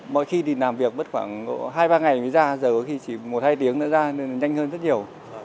mỗi khi đi làm việc mất khoảng hai ba ngày mới ra giờ có khi chỉ một hai tiếng nữa ra nên là nhanh hơn rất nhiều